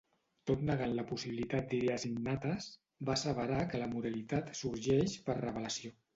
Tot negant la possibilitat d'idees innates, va asseverar que la moralitat sorgeix per revelació.